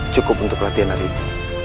cukup untuk latihan hari ini